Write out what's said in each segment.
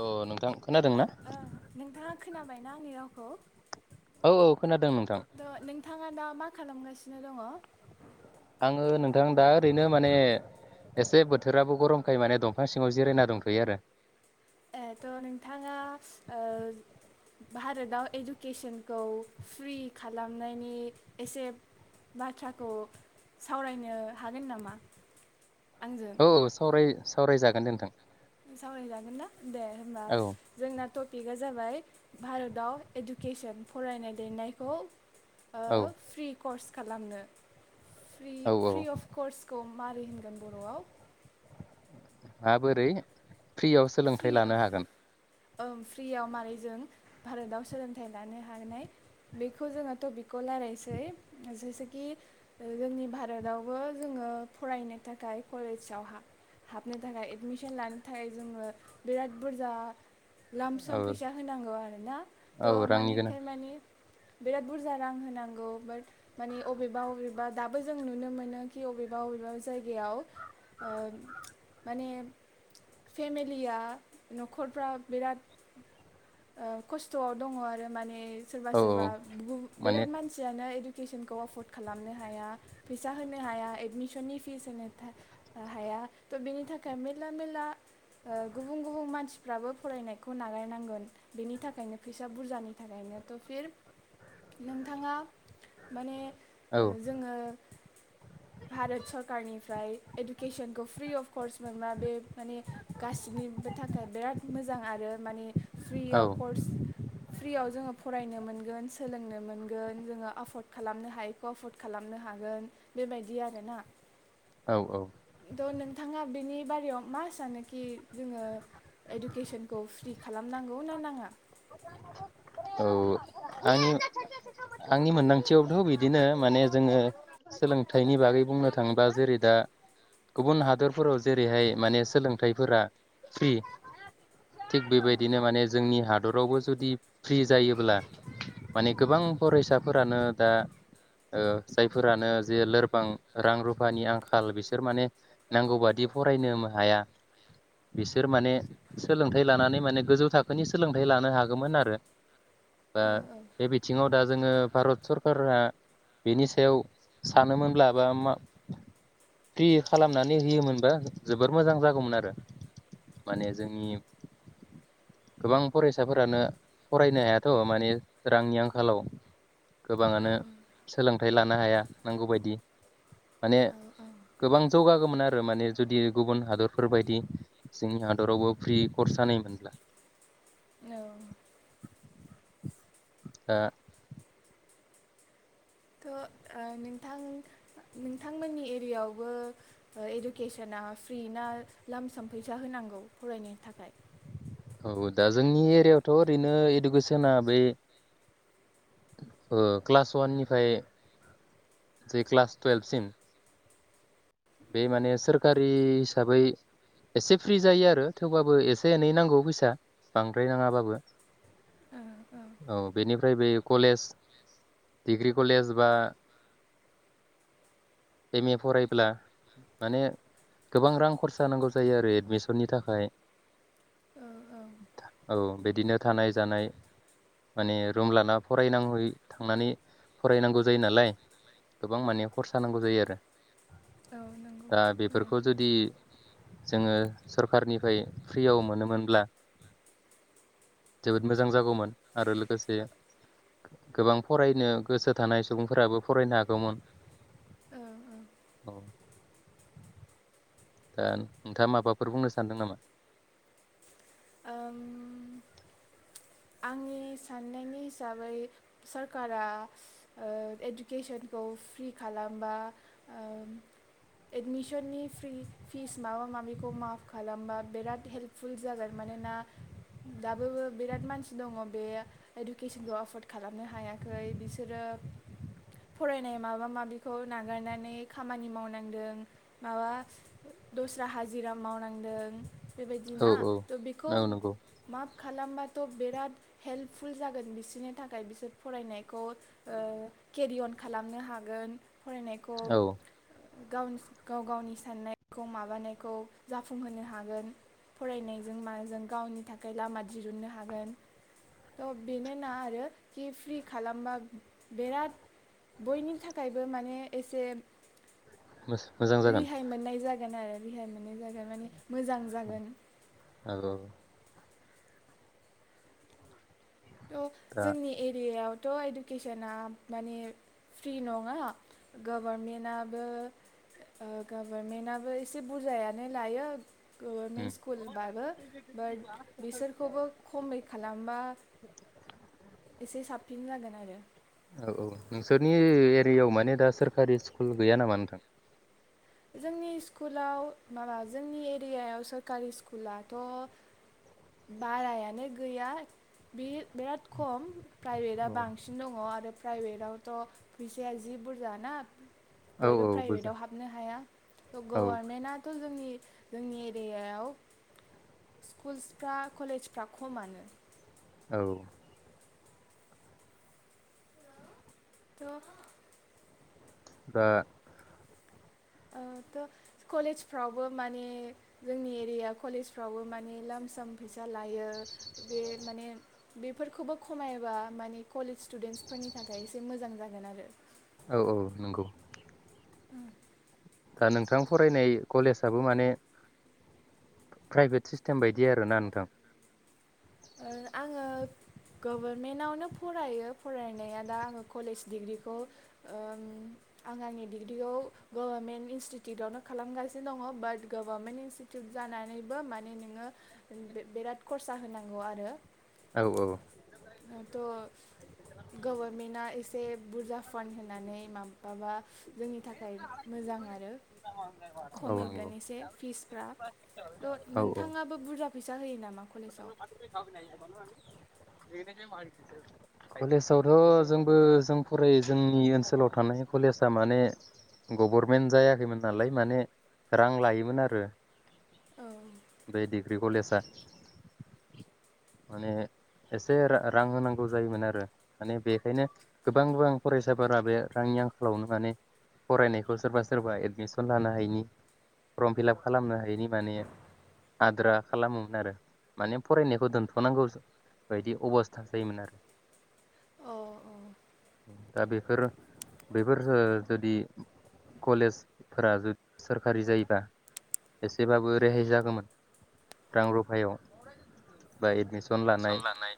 अ नोंथां खोनादों ना ओं नोंथांङा खोनाबायना आंनि रावखौ? औ औ खोनादों नोंथां। थ' नोंथाङा दा मा खालामगासिनो दङ'? आङो नोंथां दा ओरैनो माने एसे बोथोराबो गरमखाय माने दंफां सिंङाव जिरायना दंथ'यो आरो ए थ' नोंथाङा ओ भारताव इडुकेसनखौ फ्रि खालामनायनि एसे बाथ्राखौ सावरायनो हागोन नामा? आंजों औ सावराय सावरायजागोन नोंथां। सावरायजागोन ना? दे होमबा औ जोंना टपिकआ जाबाय भारताव इडुकेसन फरायनाय लिरनायखौ औ ओ फ्रि कर्स खालामनो फ्रि औ फ्रि औ अफ कर्सखौ मारै होनगोन बर'आव? आ बोरै फ्रियाव सोलोंथाइ लानो फ्रि हागोन ओं फ्रियाव मारै जों भारताव सोलोंथाइ लानो हानाय बेखौ जोंङो टपिक खौ रायलायसै जेसे कि जोंनि भारतावबो जोंङो फरायनो थाखाय कलेजाव हा हाबनो थाखाय एडमिसन लानो थाखाय जोंङो बिराद बुरजा लाम औ सम फैसा होनांगौ आरोना औ त' रांनि माने गोनां थार माने बिराद बुरजा रां होनांगौ बाट माने अबेबा अबेबा दाबो जों नुनो मोनो खि अबेबा अबेबा जायगायाव ओ माने फेमे लिया न'खरफ्रा बिराद ओ खस्थ'आव दङ' आरो माने सोरबा औ सोरबा औ बु माने बिराद मानसियानो इडु केसनखौ एफर्ड खालामनो हाया, फैसा होनो हाया, एडमिसननि फिस होनो हाया थ' बेनि थाखाय मेरला मेरला गुबुन गुबुन मानसिफ्राबो फरायनायखौ नागारनांगोन, बेनि थाखायनो फैसा बुरजानि थाखायनो थ' फिर नोंथाङा माने औ जोङो भारत सरकारनिफ्राय इडुकेसनखौ फ्रि अफ कस्ट मोनबा बे माने गासिनिबो थाखाय बिराद मोजां आरो माने औ फ्रियाव कर्स फ्रियाव जोङो फरायनो मोनगोन सोलोंनो मोनगोन जोङो एफर्ड खालामनो हायिखौ एफर्ड खालामनो हागोन बेबायदि आरोना। औ औ त' नोंथाङा बेनि बारायाव मा सानो? कि जोङो इडुकेसनखौ फ्रि खालामनांगौ ना नाङा? औ आं आंनि मोनदांथियावथ' बिदिनो माने जोङो, सोलोंथाइनि बागै बुंनो थाङोबा जेरै दा गुबुन हादरफोराव जेरैहाय माने सोलोंथाइफोरा फ्रि, थिग औ बेबायदिनो माने जोंनि हा दरावबो जुदि फ्रि जायोब्ला माने गोबां फरायसाफोरानो दा जायफोरानो जे लोरबां रां रुफानि आंखाल बिसोर माने नांगौ बादि फरायनो हाया, बिसोर माने सोलोंथाइ लानानै माने गोजौ थाखोनि सोलों लानो हागौमोन आरो दा औ बे बिथिङाव दा जोङो भारत सरकारा बेनि सायाव सानोमोनब्ला, बा मा फ्रि खालामनानै होयोमोनबा जोबोर मोजां जागौमोन आरो। माने जोंनि गोबां फरायसाफोरानो फरायनो हायाथ' माने रांनि आंखालाव गोबाङानो सोलों नाथाय लानो हाया नांगौबायदि माने औ औ गोबां जौगागौमोन आरो माने जुदि गुबुन हादरफोरबायायदि जोंनि हादरावबो फ्रि करस जानाय मोनब्ला। औ दा थ' नोंथां नोंथांमोननि एरियायावबो इडुकेसना फ्रि ना? लामसाम फैसा होनांगौ फरायनो थाखाय? औ दा जोंनि एरियाायावथ' ओरैनो इडुकेसना बै क्लास वाननिफ्राय जे क्लास टुवेल्भसिम बे माने सोरखारि हिसाबै एसे फ्रि जायो आरो, थेवबाबो एसे एनै नांगौ फैसा, बांद्राय नाङाबाबो औ बेनिफ्राय बे कलेज डिग्रि कलेज बा एम ए फरायब्ला माने गोबां रां खरसा नांगौ जायो आरो एडमिसननि थाखाय, औ बिदिनो थानाय जानाय माने रुम लाना फरायनांहय थांनानै फरायनांगौ जायो नालाय, गोबां माने खरसा नांगौ जायो आरो। औ नंगौ दा थिग बुंदों। बेफोरखौ जुदि जोङो सरखारारनिफ्राय फ्रियाव मोनोमोनब्ला। जोबोद मोजां जागौमोन आरो लोगोसे गोबां फरायनो गोसो थानाय सुबुंफोराबो फरायनो हागौमोन। औ औ औ दा नोंथाङा माबाफोर बुंनो सानदों नामा? ओम आंनि साननायनि हिसाबै, सरकारा इडुकेसनखौ फ्रि खालामबा एडमिसननि फ्रि फिस माबा माबिखौ माफ खालामबा बिराद हेल्पफुल जागोन। मानोना दाबो बिराद मानसि दङ बे इडुकेसनखौ एफर्द खालामनो हायाखै बिसोरो, फरायनाय माबा माबिखौ नागारनानै खामानि मावनांदों माबा दस्रा हाजिरा मावनांदों। बेबायदि औ ना औ थ' बेखौ औ नंगौ मा खालामबाथ' बिराद हेल्पफुल जागोन बिसोरनि थाखाय बिसोर फरायनायखौ केरिअन खालामनो हागोन। फरायनायखौ औ गाव गाव गावनि साननायखौ माबानायखौ जाफुंहोनो हागोन। फरायनायजों माजों गावनि थाखाय लामा दिरुननो हा गोहोन थ बेनोना, आरो जि फ्रि खालामबा बिराद बयनि थाखायबो माने एसे मोजां जागोन रेहाय मोननाय जागोन। आरो रेहाय मोननाय जागोन माने मोजां जागोन। औ औ अ दा जोंनि एरियायाव थ' इडुकेसना माने फ्रि नङा गभारमेन्टआबो ओ गभारमेन्टआबो एसे बुरजायानो लायो उम गभारमेन्ट स्कुलबाबो बाट बिसोरखौबो खमै खालामबा एसे साबसिन जागोन आरो औ औ नोंसोरनि एरियायाव माने दा सोरखारि स्कुल गैया नामा नोंथां? जोंनि स्कुलाव माबा जोंनि एरियायाव सोरकारि स्कुलाथ' बारायानो गैया बे बिराद खम प्राइभेटआ औ बांसिन दङ आरो प्राइभेटआवथ' फैसाया जि बुरजाना औ बयबो औ बुजा प्राइभेटाव हाबनो हाया औ गर्मेन्टआथ जोंनि जोंनि एरियायाव स्कुलसफ्रा कलेजफ्रा खमानो औ थ'' दा ओ थ' कलेजफ्रावबो माने जोंनि एरिया कलेजफ्रावबो माने लाम साम फैसा लायो बे माने बेफोरखौबो खमायोबा माने कलेज स्टुडेन्सफोरनि थाखाय एसे मोजां जागोन आरो औ औ नंगौ ओम दा नोंथां फरायनाय कलेजाबो माने प्राइभेट सिस्टेम बायदि आरोना नोंथां आङो गभारमेन्टावनो फरायो फरायनाया दा आङो कलेज डिग्रिखौ ओम आं आंनि डिग्रिखौ गभारनमेन्ट इनस्टिटिउटावनो खालामगासिनो दङ बाट गभारमेन्ट इनस्टिटिउट जानानैबो माने नोङो बिराद खरसा होनां नंगौ आरो औ औ थ' गभारमेन्टआ एसे बुरजा फान्ड होनानै माबाबा जोंनि थाखाय मोजां आरो औ नंगौ खमायगोन एसे फिसफ्रा थ' औ औ नोंथाङाबो बुरजा फैसा होयो नामा [unintelligible] कलेज [unintelligible] कलेजावथ' जोंबो जों फरायो जोंनि ओनसोलाव थानाय कलेजआ माने गभर्मेन्ट जायाखैमोन नालाय माने रां लायोमोन आरो औ बे दिग्रि कलेजा माने एसे रां होनांगौ जायोमोन आरो माने बेखायनो गोबां गोबां फरायसाफोरा बे रांनि आंखालावनो माने फरायनायखौ सोरबा सोरबा एडमिसन लानो हायिनि फर्म फिलाप खालामनो हायिनि माने आद्रा खालामोमोन आरो माने फरायनायखौ दोनथ'नांगौ बायदि अबस्था जायोमोन आरो अ अ दा बेफोर बेफोर ओ जुदि कलेजफोरा सोरखारि जायोबा एसेबाबो रेहाय जागौमोन रां रुफायाव बा एदमिसन सन लानाय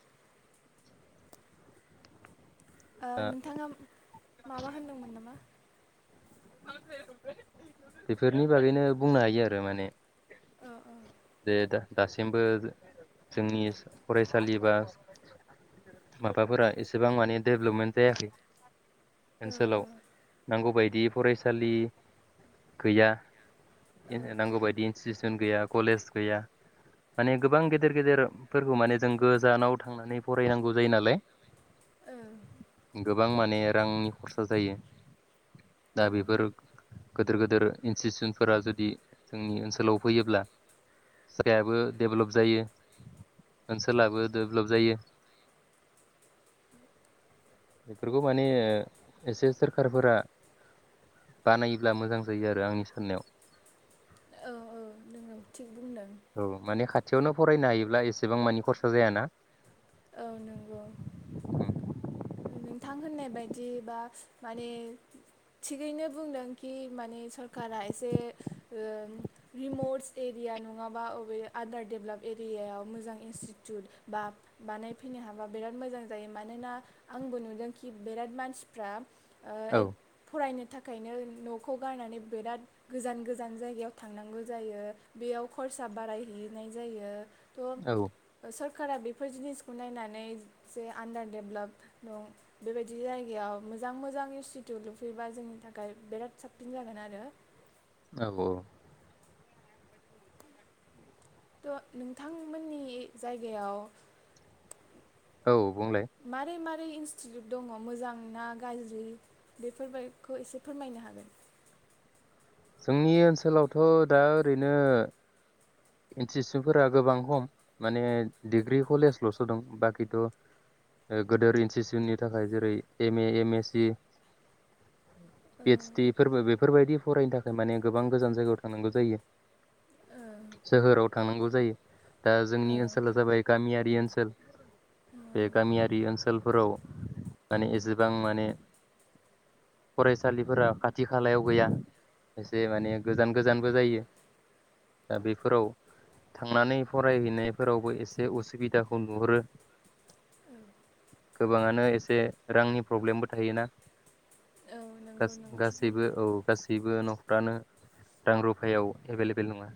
ओ नोंथाङा माबा होन्दोंमोन नामा? मा [unintelligible] बेफोरनि बागैनो बुंनो हायो आरो माने अ अ जे दासिमबो जोंनि फरायसालि बा माबाफोरा एसेबांमाने डेभेलपमेन्ट जायाखै ओ ओनसोलाव नांगौबायदि फरायसालि गैया ओ नांगौ बायदि इन्स्टिटिउसन गैया कलेज गैया माने गोबां गेदेर गेदेरफोरखौ माने जों गोजानाव थांनानै फरायनांगौ जायो नालाय। ओ गोबां माने रांनि खरसा जायो दा बेफोर गोदोर गोदोर इन्सटिटिउनफोरा जुदि जोंनि ओनसोलाव फैयोब्ला जायगायाबो डेभेलप जायो ओनसोलाबो डेभेलप जायो बेफोरखौ माने एसे सोरखारफोरा बानायोब्ला मोजां जायो आरो आंनि साननायाव। औ औ नोंगौ। थिग बुंदों। औ माने खाथियावनो फरायनो हायोब्ला एसेबां मानि खरसा जायाना। औ नंगौ। नोंथां होननाय बायदि बा माने थिगैनो बुंदों कि माने सरकारा एसे ओ रिमट एरिया नङाबा बबे आदार डेभलप एरियायाव मोजां इनस्टिटिउट बा बानायफैनो हाबा बिराद मोजां जायो मानोना आंबो नुदोंखि बिराद मानसिफ्रा औ ओ फरायनो थाखायनो न'खौ गारनानै बिराद गोजान गोजान जायगायाव थांनांगौ जायो बेयाव खरसा बारायहैनाय जायो। औ थ' सोर कारा बेफोर जिनिसखौ नायनानै जे आडार देभलप दं बेबायदि जायगायाव मोजां मोजां इउ सिथु लुफैबा जोंनि थाखाय बिराद साबसिन जागोन आरो। औ औ। थ' नोंथांमोननि जायगायाव औ बुंलाय। ब्रै इन्स्टिटिउट दङ मोजां ना गाज्रि बेफोरफोरखौ एसे फोरमायनो हागोन। जोंनि ओनसोलावथ' दा ओरैनो इन्स्टिटिउटफोरा गोबां खम माने डिग्रि कलेजल'सो दं बाखिथ' गोदोर इनस्टिटिउसनि थाखाय जेरै M A M S C P O ओदस डि फोर बेफोरबायदि फरायनो था खाय माने गोबां गोजान जायगायाव थांनांगौ जायो। ओ सोहोराव थांनांगौ जायो। दा जोंनि ओनसोला जाबाय गामियारि ओनसोल [inaudible] बे ओ गामियारि ओनसोल फोराव माने एसेबां माने फरायसालिफोरा खाथि खालायाव गैया। एसे माने गोजान गोजानबो जायो दा बेफोराव थांनानै फरायहैनायफोरावबो एसे उसुबिदाखौ नुहरो गोबाङानो एसे रांनि प्रब्लेमबो थायोना औ गा नंगौ नंगौ थिग गासैबो बुंदों औ गासैबो न' खरफ्रानो रां रुफायाव एभेलेबेल नङा।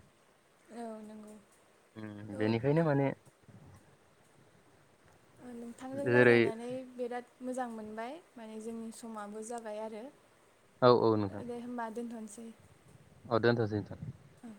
औ नंगौ। उम थ' बेनिखायनो माने नोंथांजों जेरै रायज्लायनानै बिराद मोजां मोनबाय माने जोंनि समाबो जाबाय आरो। औ औ नोंथां दे होनबा दोनथनोसै। [inaudible] औ दोनथ'सै नोंथां। औ।